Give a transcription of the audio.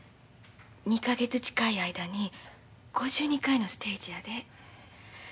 ２か月近い間に５２回のステージやで。